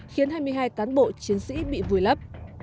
khiến hai mươi hai cán bộ chiến sĩ bị vùi lấp